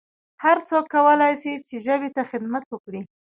هرڅوک کولای سي چي ژبي ته خدمت وکړي